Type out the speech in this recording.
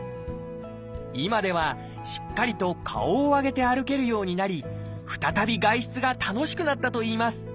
今ではしっかりと顔を上げて歩けるようになり再び外出が楽しくなったといいます。